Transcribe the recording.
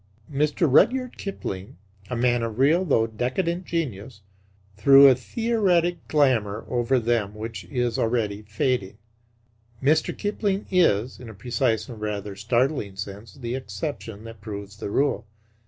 Mr. Rudyard Kipling, a man of real though decadent genius, threw a theoretic glamour over them which is already fading. Mr. Kipling is, in a precise and rather startling sense, the exception that proves the rule.